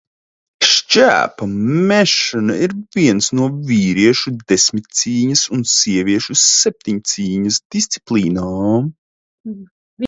Šķēpa mešana ir viena no vīriešu desmitcīņas un sieviešu septiņcīņas disciplīnām.